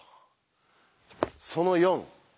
その４。